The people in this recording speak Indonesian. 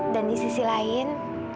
dan di sisi lain